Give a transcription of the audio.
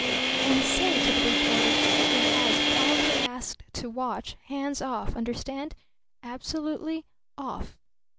"And say to the reporter who has probably asked to watch hands off! Understand? Absolutely off!"